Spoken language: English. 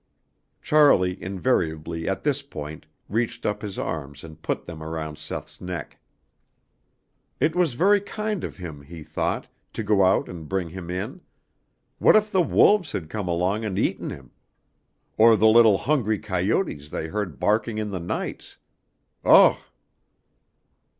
Charlie invariably at this point reached up his arms and put them around Seth's neck. It was very kind of him, he thought, to go out and bring him in. What if the wolves had come along and eaten him! Or the little hungry coyotes they heard barking in the nights. Ugh!